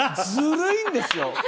ずるいんですよ。